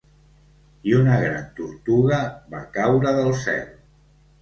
I una gran tortuga va caure del cel.